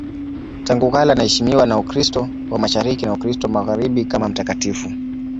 Tangu kale anaheshimiwa na Ukristo wa Mashariki na Ukristo wa Magharibi kama mtakatifu.